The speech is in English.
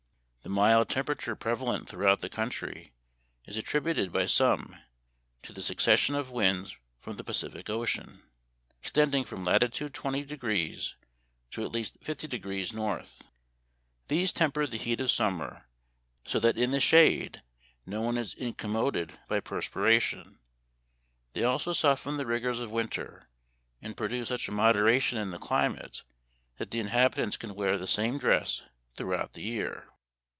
The mild temperature prevalent throughout the country is attributed by some to the succession of winds from the Pacific Ocean, extending from latitude twenty degrees to at least fifty degrees, north. These temper the heat of summer, so that in the shade no one is incommoded by perspiration ; they also soften the rigors of winter, and produce such a moderation in the climate that the in habitants can wear the same dress throughout the year."